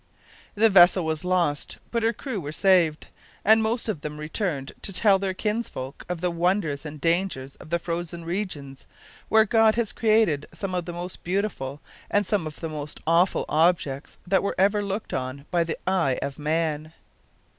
The vessel was lost, but her crew were saved, and most of them returned to tell their kinsfolk of the wonders and the dangers of the frozen regions, where God has created some of the most beautiful and some of the most awful objects that were ever looked on by the eye of man.